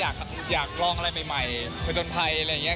อยากลองอะไรใหม่ผจญภัยอะไรอย่างนี้